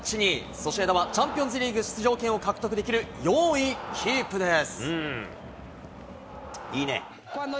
ソシエダはチャンピオンズリーグ出場権を獲得できる４位キープです。